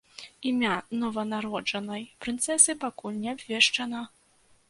Імя нованароджанай прынцэсы пакуль не абвешчана.